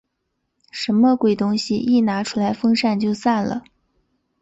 什么鬼东西？一拿出来风扇就散了。